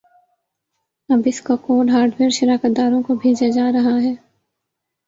اب اسکا code hardware شراکت داروں کو بھیجا جارہا ہے